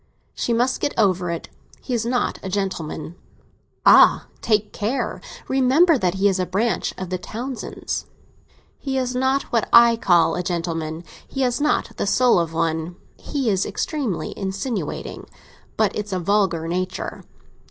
"She must get over it. He is not a gentleman." "Ah, take care! Remember that he is a branch of the Townsends." "He is not what I call a gentleman. He has not the soul of one. He is extremely insinuating; but it's a vulgar nature.